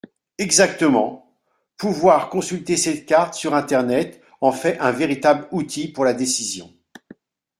Exactement ! Pouvoir consulter cette carte sur internet en fait un véritable outil pour la décision.